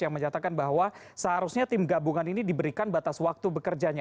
yang menyatakan bahwa seharusnya tim gabungan ini diberikan batas waktu bekerjanya